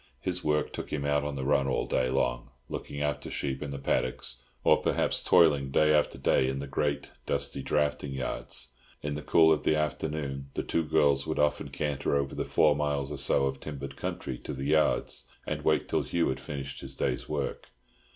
His work took him out on the run all day long, looking after sheep in the paddocks, or perhaps toiling day after day in the great, dusty drafting yards. In the cool of the afternoon the two girls would often canter over the four miles or so of timbered country to the yards, and wait till Hugh had finished his day's work.